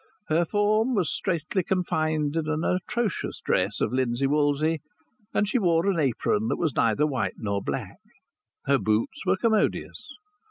Her form was straitly confined in an atrocious dress of linsey woolsey, and she wore an apron that was neither white nor black. Her boots were commodious.